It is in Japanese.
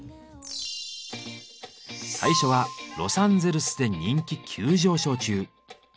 最初はロサンゼルスで人気急上昇中！